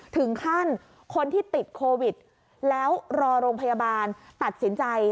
ถึงขั้นคนที่ติดโควิดแล้วรอโรงพยาบาลตัดสินใจ